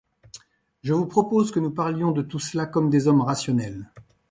Je vous propose que nous parlions de tout cela comme des hommes rationnels.